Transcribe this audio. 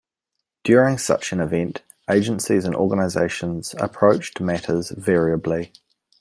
During such an event, agencies and organizations approach matters variably.